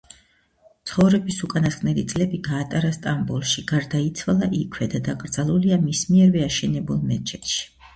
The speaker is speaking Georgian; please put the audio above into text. ცხოვრების უკანასკნელი წლები გაატარა სტამბოლში, გარდაიცვალა იქვე და დაკრძალულია მის მიერვე აშენებულ მეჩეთში.